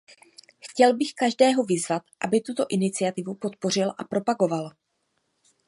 Chtěl bych každého vyzvat, aby tuto iniciativu podpořil a propagoval.